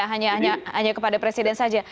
hanya kepada presiden saja